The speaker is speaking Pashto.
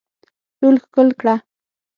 ټول ښکل کړه